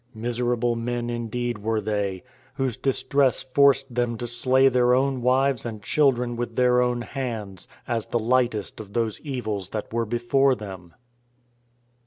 Miserable men indeed were they! whose distress forced them to slay their own wives and children with their own hands, as the lightest of those evils that were before them.